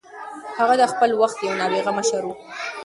هغه د خپل وخت یو نابغه مشر و.